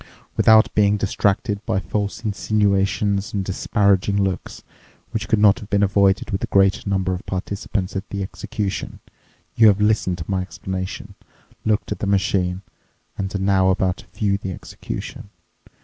Without being distracted by false insinuations and disparaging looks—which could not have been avoided with a greater number of participants at the execution—you have listened to my explanation, looked at the machine, and are now about to view the execution.